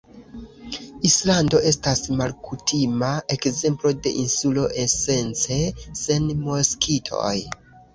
Islando estas malkutima ekzemplo de insulo, esence sen moskitoj.